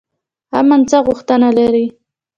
امن څه غوښتنه لري؟